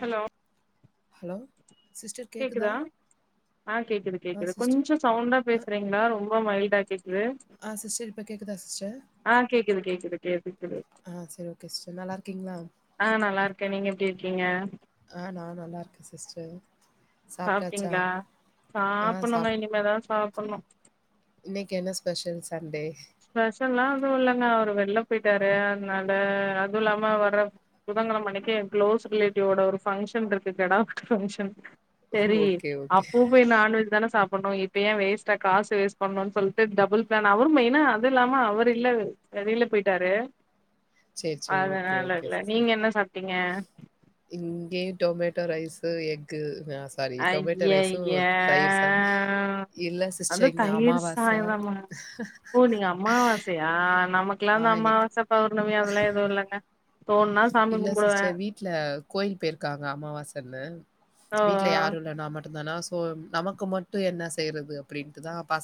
Hello hello! கேக்குதா ஆ கேக்குது ஆ கேக்குது சிஸ்டர் கொஞ்சு சவுண்டா அ பேசுறீங்களா ரொம்ப மைல்டா ரு ஆ சிஸ்டர் இப்ப கேக்குதா சிஸ்டர்? ஆ கேக்குது கேக்குது கேட்டுக்குது ஆ சரி ஓகே சிஸ்டர். நல்லா இருக்கீங்களா? ஆ நல்லா இருக்கே நீங்க எப்டி இரு க்கிங்க ஆ நா நல்லா இருக்கே சிஸ்டர் சாப்பிட்டாச்சா சாப்ட்டீங்களா ஆ சாப்புட்ணுங்க சாப் இனிமேதா சாப்புட்ணு இன்னைக்கு என்ன ஸ்பெஷல் சண்டே? ஸ்பெஷல்லா எதுவு இல்லங்க அவரு வெல்ல போயிட்டாரு அதனால அது இல்லாம வர்ர புதங்கெளம அன்னைக்கு என் க்ளோஸ் ரிலேட்டிவ்ஸ்வோட ஒரு ஃபங்க்ஷன் இருக்கு கெடா வெட்டு பங்க்ஷன் செரி ஓகே, ஓகே. அப்ப போய் நான் வஜ் தானே சாப்ப பண்ணு இப்ப ஏ வேஸ்டா காசு வேஸ்ட் பண்ணுனு சொல்லிட்டு டபுள் பிளான்னாவு மெ ன்னா அது இல்லாம அவர் இல்ல வெளில போய்ட்டாரு sir sir okay okay sister என்ன சாப்ட்டீங்க இங்கே டொமேட் ட்டோ ரைசு எஃகு ஐய்யைய்யா சாதம். இல்ல அது சிஸ்டர் இங்க தயிர் அமாவாசை. சாதமா ஓ நீங்க அம்மாவசையா நமக் லா ஆ அந்து இன்னைக்கு அம்மாவாச பௌர்ணமி அதெல்லா எது இல்லங்க தோணுனா சாமி இல்ல கும்பிடுவே சிஸ்டர் வீட்டு்ல கோயில் போயிருக்காங்க அம்மாவாசன்னு ஓ வீட்ல யாரு இல்ல நா மட் தனா சோ நமக்கு மட்டு என்ன செய்றது அப்டி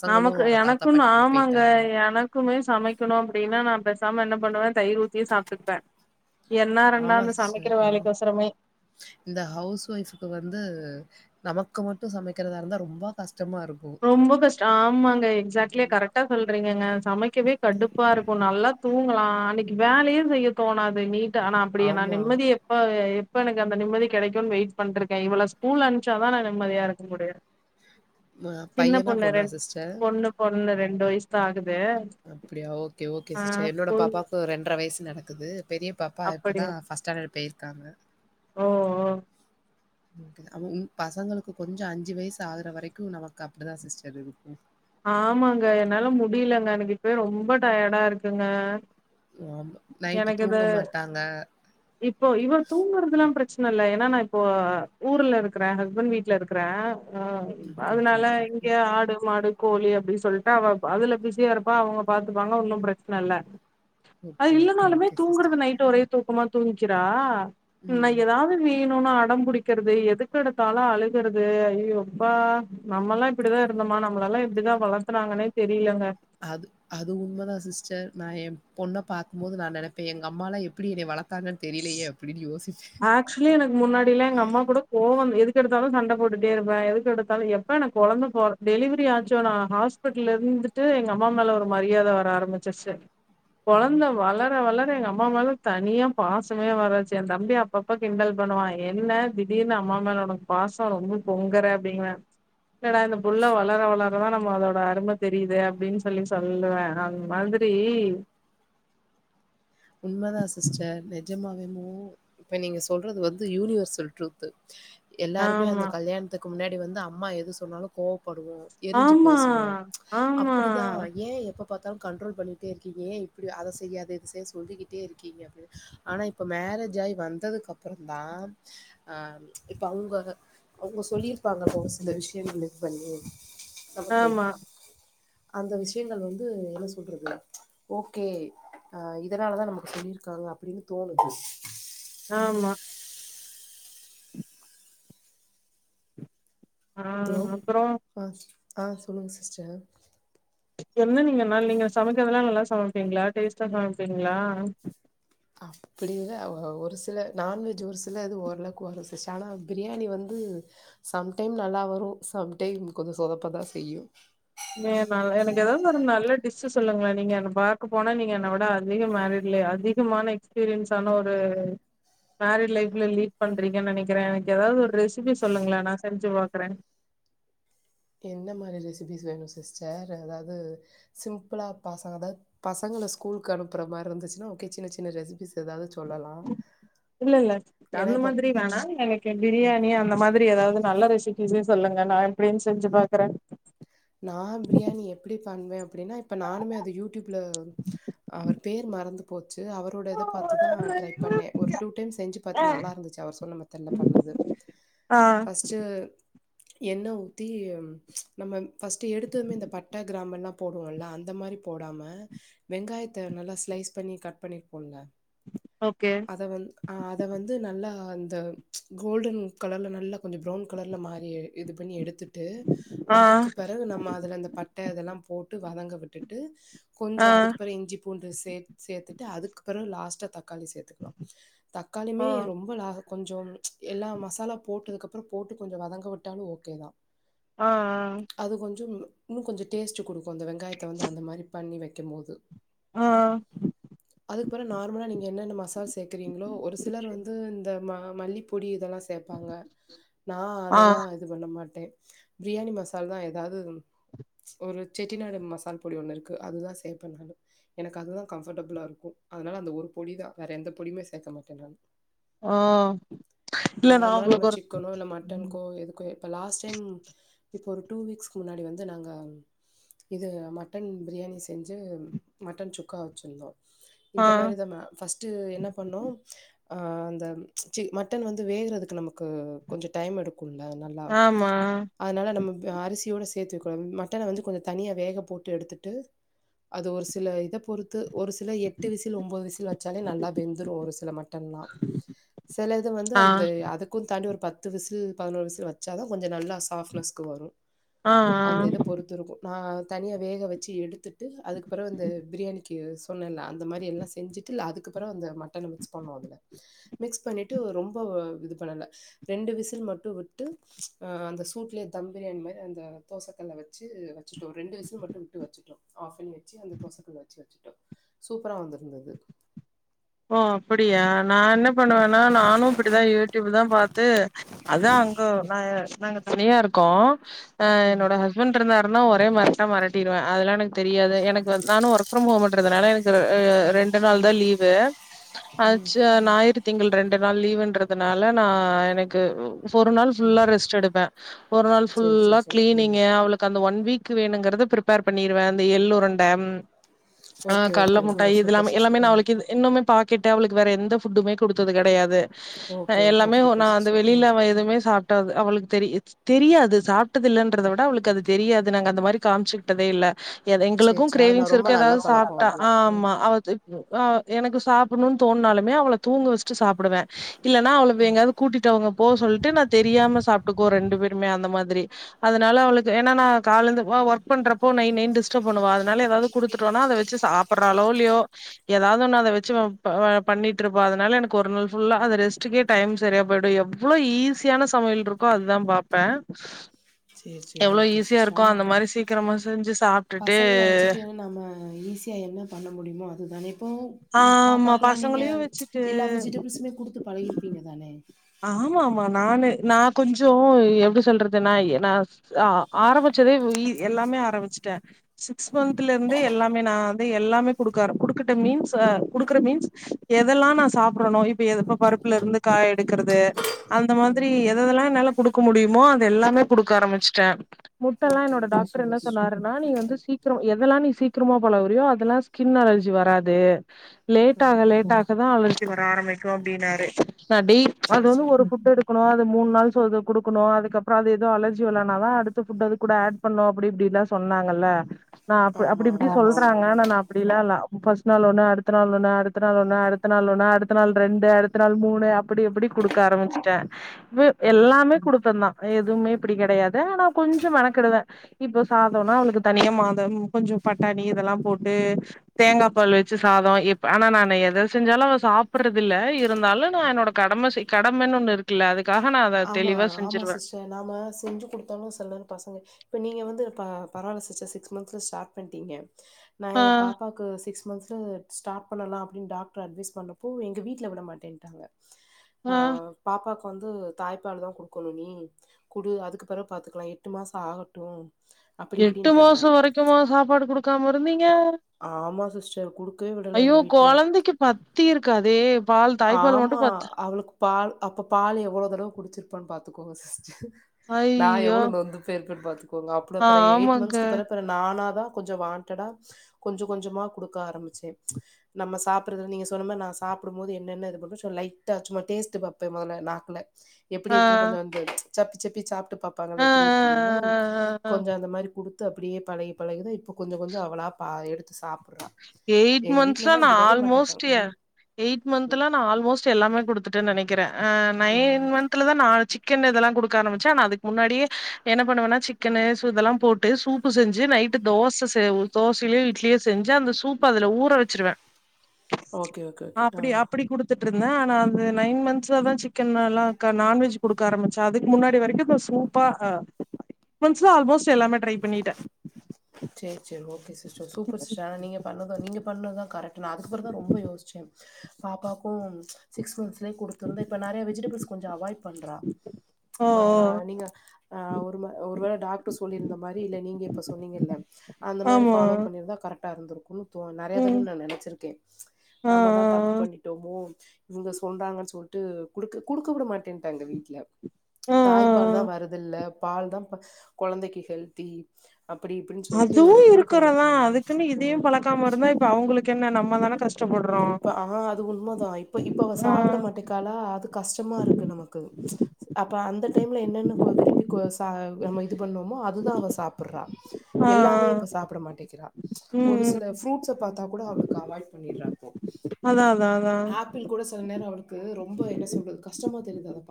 நமக்கு எனக்குன் ஆமாங்க போயிட்டாங்க. எனக்குமே சமைக்கணு அப்டினா நா பெஸ் சாம என்ன பண்ணுவே தயிர் ஊத்தியே சாப்ட்டுப்ப ஆமா சிஸ்டர் அ இந்த ஹவுஸ் ஒய்ஃப்க்கு வந்து நமக்கு மட்டு சமைக்றதா இருந்தா ரொம்ப கஸ் ரொம்பொ கஷ்ட் ஆமாங்க எக்ஸாக்ட்லே கரட்டா சொல்றீங்கங்க சமைக்கவே கடுப்பா இருக்கு நல்லாத் தூங்கலா அன்னக்கி வேலயே செய்ய தோணாது நீ டு ஆனா அப்படியே நா ஆமா. நிம்மதி எப்போ இப்ப எனக்கு அந்த நிம்மதி கெடைக்குன் வெயிட் பண்ட்ருக்க இவள ஸ்கூல் அன்ச்சாதா நா நிம்மதியா இருக்க முடியு ம சின்ன பையனா, பொண்ணு பொண்ணா ரெண் சிஸ்டர்? பொண்ணு பொண்ணு ரெண் ண்டு வய்ஸ்தா ஆகுத் அப்டியா ஓகே ஓகே சிஸ்டர் என்னோட ஸ்கூல் பாப்பாக்கு ரெண்டர வய்ஸ் நடக்குது பெரிய பாப்பா இப்பத அப்படியா பஃர்ஸ்ட் ஸ்டாண்டர்ட் போயிருக்காங்க ஓ ஓ பசங்களுக்கு கொஞ்சம் அஞ்சு வயசு ஆகுற வரைக்கும் நமக்கு அப்படிதான் சிஸ்டர் இருக்கும் ஆமாங்க என்னால முடியலங்க எனக்கு இப்பய ரொம்ப டயர்டா இருக்குங்க ஆமா. நைட்டு எனக்கு இது தூங்க மாட்டாங்க. இப்போ இவ தூங்கறதெல்லாம் பிரச் சொன்னேல்ல ஏன்னா நா இப்ப ஊர்ல இருக் க்கற ஹஸ்பண்ட் வீட்ல இருக்கறே ஆ ஓகே, ஓகே, அதனால ஓகே. இங்கே ம். ஆடு மாடு கோழி அப்டி சொல்ட்டா அவ அதுல பிஸியா இருப்பா அவங்க பாத்துப்பாங்க ஒண்ணும் பிரச்ன இல்ல அது ஓகே, ஓகே, இல்லேனாலுமே ஓகே தூங்குறது சிஸ்டர். நைட்டு் ஒரே தூக்கமா தூங்கிக்கிரா என்ன ம். ஏதாவது வீ வேணும்னு அடம் புடிக்கிறது எதுக்கெடுத்தாலும் அழுகறது அய்யோ அப்பா நம்மெல்லாம் இப்படிதான் இருந்தோமா நம்மளெயெல்லாம் எப்படிதான் வளர்த்துனாங்கன்னே தெரியலங்க அது அது உண்மை தான் சிஸ்டர் நாயம் பொண்ண பாக்கும்போது நா நெனப்பே எங்க அம்மால எப்புடி என்னே வள ஆக்சுலி எனக்கு முன்னாடிலா எங்க அம்மா கூட கோவம் எதுக் கெடுத்தாலு சண்ட போட்டுட்டே இருப்ப எதுக்கு எடுத்தாலு எப்ப எனக் கொழந்த போற டெலிவெரி ஆச்சோ நா ஹாஸ்பிட்ல இர்ந்துட்டு எங்க அம்மா மேல ஒரு மரியாத வர ஆரம்மிச்சிர்ச்சு கொழந்த வளர வளர பே எங்க அம்மா மேல தனியா பாசமே வரச்சு எ தம்பி அப்பப்ப கிண்டல் பண்ணுவா என்ன திடீர்னு அம்மா மேல உனக்கு பாசொ ரொம்ப பொங்குற அப்டிங்குற இல்லடா இந்த புள்ள வளர வளரதா நம்ம அதோட அரும தெரியுது அப்டின் சொல்லி சொல்லுவே அந் மாதுரி உண்மதான் சிஸ்டர் நெஜமாவே மூ இப்ப நீங்க சொல்றது வந்து யூனிவர்சல் ட்ரூத் எல்லாருமே ஆமா. அந்த கல்யாணத்துக் அதுக்கு முன்னாடி வந்து அம்மா எது சொன்னாலும் கோபம் படுவோம். எரிஞ்சு ஆமா, பேசுவோம் ஆமா, அப்படிதான் ஏன் எப்ப எப்ப பாத்தாலும் கண்ட்ரோல் பண்ணிட்டே இருக்கீங்க. ஏன் இப்பிடி அத செய்யாத இத செய்யாத சொல்லிக்கிட்டே இருக்கீங்க அப்படின்னு ஆனா இப்போ மேரேஜ் ஆகி வந்ததுக்கு அப்புறம் தான் ஆஹ் இப்ப அவங்க அவங்க சொல்லியிருப்பாங்க ஓரு சில விஷயங்கள் இது பண்ணி நமக்கு ஆமாம் அந்த விஷயங்கள் வந்து என்ன சொல்றது ஓகே அ இப் இதனாலதான் நமக்கு சொல்லியிருக்காங்க அப்படின்னு தோணுது ஆமாம் ஹலோ ஆஹ் அப்புறம் ஆ ஆ சொல்லுங்க சிஸ்டர் என்ன நீங்க நா நீங்க சமைக்கிறதுல்லா நல்லா சமைப்பீங்களா டேஸ்ட்டா சமைப்பீங்களா அப்படி இல்ல ஒரு சில நான்வெஜ் ஒரு சில இது ஓரளவுக்கு வரும் சிஸ் ஆனா பிரியாணி வந்து சம்டைம் நல்லா வரும் சம்டைம் கொஞ்சம் சொதப்பதா செய்யும் ஏ ந எனக்கு ஏதாவது ஒரு நல்ல டிஷ் சொல்லுங்களே நீங்க என்ன பாக்க போனா நீங்க என்னை விட அதிக மேரிட்ல அதிகமான எக்ஸ்பீரியன்ஸ் ஆன ஒரு மேரிட் லைஃப்ல லீட் பண்றீங்கன்னு நினைக்கிறே எனக்கு ஏதாவது ஒரு ரெசிபி சொல்லுங்களே நா செஞ்சு பாக்குறே என்ன மாரி ரெசிபிஸ் வேணு சிஸ்டர் அதாவது சிம்பிளா பசங்க அதாவது பசங்கள ஸ்கூலுக்கு அனுப்புற மாரி இருந்துச்சுன்னா ஓகே சின்ன சின்ன ரெசிபிஸ் ஏதாவது சொல்லலாம் இல்ல இல்ல ஏன்னா அந்த மாதிரி இப்போ வேணா எனக்கு பிரியாணி அந்த மாதிரி ஏதாவது நல்ல ரெசிப் ரெசிபி சொல்லுங்க நா எப்படின்னு செஞ்சு பாக்குறே நா பிரியாணி எப்படி பண்ணுவே அப்டின்னா இப்ப நானுமே அது யூடியூப்ல அவர் பேர் மறந்து போ சு அவருடையத பாத்துதா ட்ரை பண்ண ஓரு டூ டைம்ஸ் செஞ்சு பாத்தே நல்லா இருந்துச்சு அவர் சொன்ன மெத்தட்ல பண்ணது ஆ ஃபர்ஸ்ட் என்ன ஊத்தி நம்ம ஃபர்ஸ்ட்டு எடுத்ததுமே இந்த பட்ட கிராம்பெல்லா போடுவோல அந்த மாரி போடாம வெங்காயத்த நல்லா ஸ்லைஸ் பண்ணி கட் பண்ணி போடுங்க ஓகே அத வந் ஆ அத வந்து நல்லா இந்த கோல்டன் கலர்ல நல்லா கொஞ்சம் ப்ரவுன் கலர்ல மாறி இது பண்ணி எடுத்து ட்டு ஆ அதுக்கு பெறகு நம்ம அதுல அந்த பட்ட இதெல்லாம் போட்டு வதங்க விட்டுட்டு ஆ கொஞ்சம் அதுகப்புற இஞ்சி பூண்டு சேத் சேத்துட்டு அதுக்கப்பறோ லாஸ்டா த க்காளி சேத்துக்லா ஓ தக்காளியுமே ரொம்ப லாஹக் கொஞ்சோ எல்லா மசாலா போட்டதுக்கப் ப்றொ போட்டு கொஞ்சொ வதங்க விட்டாலு ஓகேதா ஆ ஆ அது கொஞ்சோ இன்னுங் கொஞ்சொ டேஸ்ட்டு குடுக்கு அந்த வெங்காயத்த வந்து அந்த மாரி பண்ணி வெக்கும் போது ஆ ஆ அதுக் பற நார்மலா நீங்க என்னன்ன ம சாஸ் தேக்குறீங்ளோ ஒரு சிலர் வந்து இந்த மா மல்லிப்பொடி இதலா சேப்பாங்க நா ஆ அதல்லா இது பண்ண மாட்டே ப்ரியாணி மஸ் தால் தா எதாது ஒரு செட்டிநாடு மசால் பொடி ஒன்னு இருக்கு அதுதா சேப்ப நானு எனக்கு அதுதா கம்ஃபர்டபுளா இருக்கு அதுனால அந்த ஒரு பொடிதா வேற எந்த பொடியுமே சேக்க மாட்டே நானு ஆ இல்ல நா நார்மலா உங்ளுக்கொரு ப்ப லாஸ் டைம் இப்போ ஒரு டூ வீக்ஸ்க்கு முன்னாடி வந்து நாங்க இது மட்டன் பிரியாணி செஞ்சு மட்டன் சுக்கா வச்சுர்ந்தோ ஆ இந்த மாரிதாம ஃபஸ்ட்டு என்ன பண்ணோ அ அந்த சி மட்டன் வந்து வேகுறதுக்கு நமக்கு கொஞ்சொ டைம் எடுக் கு ல நல்லா ஆமா அதனால நம்ம அரிசியோடு சேத்தி வெக்கூடா மட்டன வந்து கொஞ்சொ தனியா வேக போட்டு எடுத்துட்டு அது ஒரு சில இத பொறுத்து ஒரு சில எட்டு விசில் ஒன்பது விசில் வச்சாலே நல்லா வெந்துரு ஒரு சில மட்டன்லா சிலது வந்து ஆ அந்த அதுக்கு தாண்டி ஒரு பத் பத்து விசில் பதினோரு விசில் வச்சாதா கொஞ்சொ நல்லா சாஃர்ப்னஸ் க்கு வரும் ஆ ஆ அந்த இத பொறுத்திருக்கு நா தனியா வேக வச்சு எடுத்துட் டு அதுக்கபற வந்து பிரியாணி கி சொன்னேன்ல அந்த மாரி எல்லா செஞ்சுட்டு ல அதுக்குப் பிறவு அந்த மட்டன மிக்ஸ் பண்ணோ அதுல மிக்ஸ் பண்ணீட்டு ஒ ரொம்ப வ இது பண்ணல ரெண்டு விசில் மட்டு வுட்டு அ அந்த சூட்லே தம் பிரியாணி மாரி அந்த தோசக்கல்ல வச்சு வச்சுட்டோ ரெண்டு விசல் மட்டு விட்டு வச்சுட்டோ ஆஃப் பண்ணி வச்சு அந்த தோசக்கல்ல வச்சு வச்சுட்டோ சூப்பரா வந்திருந்தது ஓ அப்படியா நா என்ன பண்ணுவனா நானு இப்படிதா யூடியூபு தா பாத் இது அதா அங்கோ நா எ நாங்க தனியா இருக்கோ ஆ ம். என்னோட ஹஸ்பண்டிருந்தார் பண்ணா ஒரே மெரட்டா மெரட்டிருவே அதுலா எனக் கு தெரியாது எனக்கு வந் நானு ஒர்க் ஃப்ரம் ஹோமு ன்றதுனால அ அ ம். ரெண்டு நாள் தா லீவு அச்ச ஞாயிறு திங்கள் ரெண்டு நாள் லீவுன்றதுனால நா எனக்கு ஒரு நாள் ஃபுல்லா ரெஸ்ட் எடுப்பே ஒரு நாள் சரி, ஃபுல்லா சரி, சரி. ம். கிளீனிங்கு அவளுக்கு அந்த ஒன் வீக்கு வேணுங்கிறத ப்ரிப்பேர் பண்ணிருவ இந்த எள் உருண்ட உம் ஆஹ் ஓகே, கல்ல ஓகே, ஓகே. முட்டாயி சூப்பர் இதெல்லாம் சிஸ்டர். எல்லாமே நா ம். அவளுக்கு இது இன்னுமே பாக்கெட்டு அவளுக்கு வேற எந்த ஃபுட்டுமே குடுத்தது கெடையாது அ ஓகே, ஓகே. எல்லாமே ஒன்னா சூப்பர் அந்த சிஸ்டர். ம். வெளியில அவ எதுமே சாப் ட்டது அவளுக்கு தெரி தெரியாது சாப்டது இல்லன்றத விட அவளுக்கு அது தெரியாது நாங்க அந்த மாரி காமிச்சுகிட்டதே இல்ல எதே சரி, எங்களுக்கு சரி. அது நான் கிரேவிங்ஸ் ரொம்ப இருக்கு நல்ல எதாவது பழக்கம் சாப்டா அது. ம். ஆமா அவ இப் ஆ எனக்கு சு சாப்ணு தோண்னாலுமே அவள தூங்க வெச்சிட்டு சாப்டுவ இல்லனா அவள வெ எங்கயாவது கூட்டிட்டு அவுங்க போ சொல்ட்டு நா தெரியாம சாப்டுகு கு ரெண்டு பேருமே அந்த மாரி அதனால அவளுக்கு ஏனா நா கால்லந்து வா ஒர்க் பண்றப்போ நய் நய்னு டிஸ்டர்ப் பண்ணுவா அதுனால எதாவது குடுத்துட்டோனா அத வேச்சு சாப்பிறாளோ இல்லீயோ எதாவது ஒன்னு அத வெச் சுவப்பா பண்ணிட்டு இருப்பா அதுனால எனக்கு ஒரு நாள் ஃபுல்லா அத ரெஸ்ட்டுக்கே டைம் சரியா போயிடு எவ்ளோ ஈஸியான சமையல் இருக்கோ அதுதா பாப்ப சேரி சேரி ஓகே சிஸ்டர் ஆமா அந்தப் சீக்கிரமா செஞ்சு சாப்ட்டுட்டு பசங்கள வச்சுட்டு நம்ம ஈஸியா என்ன பண்ண முடியுமோ அது தானே இப்போ உம் ஆமா பாப்பாக்கலாம் நீங்க பசங்களையும் ப்ச் வச்சுட்டு எல்லா வெஜிடபிள்சுமே குடுத்து பழகிருப்பீங்க தானே ஆமா ஆமாம் நானு நா கொஞ்சோம் எப்டி சொல்றதுனா நா ஆரம்பிச்சதே எல்லாமே ஆரம்பிச்சுட்டேன். சிக்ஸ் ம் மந்த்ல இருந்தே எல் எல்லாமே நா வந்து எல்லாமே குடுக்க ஆர குடுக்கட்டா மீன்ஸ் குடுக்கறேன் மீன்ஸ் எதெல்லாம் நான் சாப்டரேனோ இப்ப எப்ப பருப்புல இருந்து காய் எடுக்கிறது அந்த மாதிரி ம் எத எதெல்லா என்னால குடுக்க முடியுமோ அத எல்லாமே குடுக்க ஆரம்பிச்சிட்டேன் இப்ப எல்லா ஓகே என்னோட ஓகே டாக்டர் என்ன சூப்பர் சிஸ்டர் சொன்னாருன்னா ம் நீ வந்து சீக்கிரம் எதெல்லா நீ சீக்கிரமா பழகிறியோ அதெல்லாம் ஸ்கின் அலர்ஜி வராது லேட் ஆக லேட் ஆக அப்ப தான் வளர்ச்சி வர ஆரம்பிக்கும் அப்டின்னாரு நா டெய் அது சரி வந்து சரி ஒரு ஃபுட் எடுக்கணும் அது மூணு நாள் சோ அத குடுக்கணும் அதுக்கப்பறோம் அது எதோ அலர்ஜி வர்லனாதான் அடுத்த ஃபுட்ட அது கூட ஆட் பண்ணணும் அப்டி இப்டில்லா சொன்னாங்கல நா அப் அப்டி ஆமாம் இப்டி ஆமாம் ஆமாம் சொல்றாங்க சிஸ்டர் நா அப்டிலாம் இல்ல ஃபர்ஸ்ட் நாள் ஒண்ணு அடுத்த நாள் ஒண்ணு அடுத்த நாள் ஒண்ணு அடுத்த நாள் ஒண்ணு அடுத்த நாள் ரெண்டு அடுத்த நாள் மூணு அப்டி இப்டிக் குடுக்க ஆரம்பிச்சுட்டேன் வு எல்லாமே குடுப்பேன் தான் எது எதுவுமே இப்படி கெடையாது ஆனா கொஞ்சம் மெனக்கெடுவேன். இப்போ சாதம்னா அவளுக்கு தனியா சாதம் கொஞ்சம் பட்டாணி இதெல்லாம் போட்டு தேங்கா பால் வெச்சு சாதம் ஆனா நான் எதை செஞ்சாலும் அவ சாப்பிடுறது இல்ல இருந்தாலும் நான் என்னோட கடம கடமன்னு ஒன்னு இருக்குல்ல அதுக் ஆமா ஆமா சிஸ்டர் நாம செஞ்சு கொடுத்தாலும் செலநேரம் பசங்க இப்ப நீங்க வந்து ப பரவால்ல சிஸ்டர் சிக்ஸ் மந்த்ஸ்ல ஸ்டார்ட் பண்ணிட்டீங்க நா ஆ என் பாப்பாக்கு சிக்ஸ் மந்த்ல ஸார்ட் பண்ணலா அப்படின்னு டாக்டர் அட்வைஸ் பண்ணப்போ எங்க வீட்ல விட மாட்டேன்ட்டாங்க அ ஆ பாப்பா ப்பா வந்து தாய்ப்பாலு தா குடுக்கணும் நீ குடு அதுக்கு பிறகு பாத்துக்கலா எட்டு மாசம் ஆகட்டும் அப்படி எட்டு இப்படின்ட்டாங்க. மாசம் வரைக்குமா சாப்பாடு குடுக்காம இருந்தீங்க ஆமா சிஸ்டர். குடுக்கவே விடல ஐய்யோ எங்க வீட்ல. கொழந்தைக்கு பத்திருக்காதே பால் தாய்ப்பால் மட்டு ஆமா பத்து அவளுக்கு பால் அப்ப பால் எவ்ளோ தடவ குடிச்சிருப்பானு பா பாத்துக்கோங்க சிஸ்டர் நா ஐயோ எவ்ளோ நொந்து போயிருப்பான்னு பாத்துக்கோங்க அப்பற அப்ற எயிட் ஆமாங்க மந்த்ஸ்க்கு பிறகு நானா தா கொஞ்ச வாண்ட்டடா கொஞ்சம் கொஞ்சமா குடுக்க ஆரம்பிச்சே நம்ம சாப்பிட்றது நீங்க சொன்ன மாரி நா சாப்புடு போது என்னென்னது இருக்குதோ சோ லைட்ட சும்மா டேஸ் பாப பே மொதல்ல நாக்குல எப்டி ஆ இருக்குன்னு கொஞ்சம் வந்து சப்பிசப்பி சாப் ஆ ஆ பாப்பாங்கள எப்படி இருக்குதுன்னு ஆ ஆ ஆ கொஞ்சம் அந்த மாரி குடுத்து அப்படியே பழகி பழகிதான் இப்ப கொஞ்சம் கொஞ்சம் அவளா எடுத்து சாப்ப எயிட் மந்த்த்ஸ்லாம் நான் மாட்டேன்ட்டாங்க. ஆல்மோஸ்ட் ம். எயிட் ம். மன்த்ல நான் ஆல்மோஸ்ட் எல்லாமே குடுத்துட்டேன்னு நெனைக்குறேன் ஆ நயன் ம். மந்துல தான் நான்வெச்சு சிக்கன் இதெல்லாம் குடுக்க ஆரம்பிச்சேன். ஆனா அதுக்கு முன்னாடியே என்ன பண்ணுவேன்னா சிக்கன்னு இதெல்லாம் போட்டு சூப்பு செஞ்சு நைட்டு தோச செய் தோசையோ இட்லியோ செஞ்சு செஞ்சு அந்த சூப் அதுல ஊற வச்சிருவேன் ஓகே ஓகே ஓகே ஆஹ் இருந்தேன் ஆனா அந்த நயின் மந்த்ஸ்சா தான் சிக்கன்ல நான்வெஜ் குடுக்க ஆரம்பிச்சேன். அதுக்கு முன்னாடி வரைக்கும் சூப்பா சிக்ஸ் மந்துல அல்மோஸ்ட் எல்லாமே ட்ரை பண்ணிட்டேன் சேரி சேரி ஓகே சார் சூப்பர் சார் நீங்க பண்ணத நீங்க பண்ணது தான் கரெக்ட்டு நான் அதுக்கப்புறம் தான் ரொம்ப யோசிச்சேன் பாப்பாக்கும் சிக்ஸ் மந்த்ஸ் கடுத்துருந்தேன் இப்ப நெறைய வெஜிடேபிள்ஸ் கொஞ்சம் அவாய்ட் பண்றா. ஓ அ ஓ நீங்க அ ஒரு ஒருவேளை டாக்டர் சொல்லியிருந்த மாதிரி இல்ல நீங்க இப்ப சொன்னீங்கல்ல அந்த மாரி ஆமா ஃபாலோ பண்ணிருதா கரெ ட்டா இருந்து இருக்கு து நெறயா ம் தடவ நா நெனைச்சிருக்க ஆ நம்மதா தப்பு ஆ பண்ணிட்டோமோ இவங்க சொல்றாங்கன் சொல் ட்டு குடுக்க விட மாட்டேன்ட்டாங்க வீட்ல ஆ ஆ ஆ தாய்பால்தா வருதில்ல பால்தா கொழந்தைக்கு ஹெல்தி அப்படி அதுவு இருக்கிறதா அதுக்குன்னு இதையு ம் பழக்காம இருந்தா இப்ப அவுங்களுக்கு கு என்ன நம்ம தானே க இப்ப அவ அது உண்மதா இப்ப இப்ப அவ ஆ சாப்பிட மாட்டேக்காலா அது கஷ்டமா இருக்கு நமக்கு ப்ச் அப்ப அந்த ம்ச் அந்த டைம்ல் என்னென்ன கோ விரும்பி சா நம்ம இது பண்ணோமோ அதுதா அவ சாப்பிடறா ஆ எல்லாமே இப்ப சாப்பிட மாட்டேக்கிறா ம் ஒரு ம் சில ஃப்ரூட்ஸ பாத்தா கூட அவளுக்கு அவாய்ட் பண்ணிடுறா அதா அதா அதா ஆப்பிள் கூட சில நேரோ அவளுக்கு ரொம்ப என்ன சொல்றது கஷ் டமா தெரியுது அவளுக்கு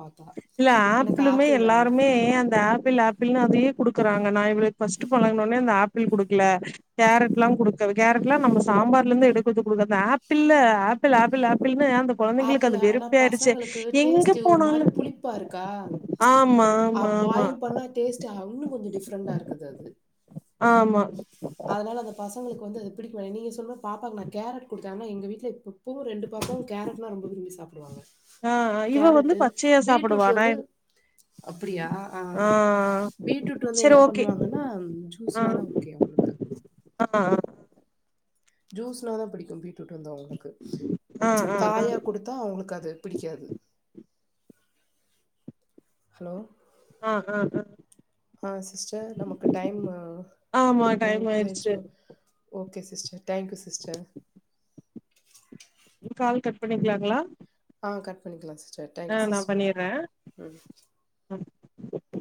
இல்ல ஆப்பிளுமே எல்லாருமே அந்த ஆப்பிள் ஆப்பிள்ன்னு அதயே குடுக்கறாங்க நா இவளுக்கு ஃபர்ஸ்ட் பழகனோனே அந்த ஆப்பிள் குடுக்கல கேரட் எல்லா குடுக்க கேரட்ல்லா நம்ம சாம்பார்ல இருந்து எடுக்கறத குடுகறதுதா அ ஆப்பிள்ள ஆப்பிள் ஆப்பிள் ஆப்பிள் அந்த கொழந்தைங்களுக்கு ஆப்பிள் அது ஆனா வெறுப்பே ஆயிடுச்சு எங்க போனாலு பாரு இருக்கா ச்சு ஆமா ஆ ஆமா ஆமா பாயில் பண்ணா டேஸ்ட் அள்ளும் கா கொஞ்சோ டிஃப்ரெண்டா இருக்குது அது ஆமா அதனால அந்த பாச உங்களுக்கு வந்து பிடிக்கல நீங்க சொன்ன பாப்பாக்கு நா கேரட் கொடுத்த நா இப்பவும் ரெண்டு பாப்பாவும் கேரட் ரா ரொம்ப விரும்பி சாபிடுவாங்க ஆ இவ வந்து கேரட்டு பச்சையா பீட்ரூட் சாப்புடுவா நா வந்து அப்படியா அஹ் ஆ பீட்ரூட் வந்து சரி என்ன ஓகே பண்ணுவாங்கன்னா ஆ ஜூஸ்னாதான் ஓகே அவங்களுக்கு ஆ ஜூஸ்ல தான் புடிக்கும் பீட் ட்டு வந்து அவங்களுக்கு ச்சு ஆ ஆ ஆ காயா கொடுத்தா அவங்களுக்கு அது பிடிக்காது ஹலோ ஆ ஆ ஆ ஆஹ் சிஸ்டர் நமக்கு டைம் ஆஹ் ஆமா டைம் ஆயிடுச்சு ஓவேச்சோ okay sis sister thank you sister call cut பண்ணிக்கலாங்களா ஆ கட் பண்ணிக்கலா சிஸ் டர் தேங்க் ஆ யூ நா சிஸ்டர் பண்ணிறே ம்